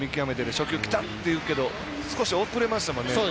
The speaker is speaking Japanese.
初球きたっていうけど少し遅れましたもんね。